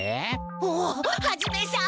おおハジメさん！